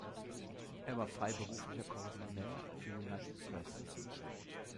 Er war freiberuflicher Korrespondent für United Press.